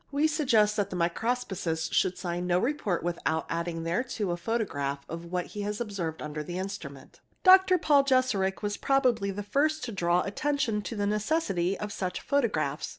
We sug gest that the microscopist should sign no report without adding thereto a photograph of what he has observed under the instrument. Dr. Paul Jeserich was probably the first to draw attention to the necessity of such photographs.